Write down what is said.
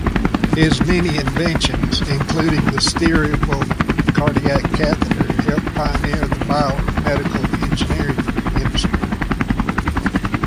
His many inventions, including the steerable cardiac catheter, helped pioneer the biomedical engineering industry.